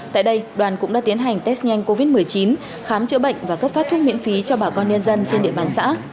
tại đây đoàn cũng đã tiến hành test nhanh covid một mươi chín khám chữa bệnh và cấp phát thuốc miễn phí cho bà con nhân dân trên địa bàn xã